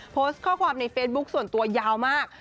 โพสต์ข้อความในเฟซบุ๊คส่วนตัวยาวมาก